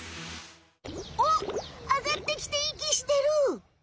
おっあがってきていきしてる！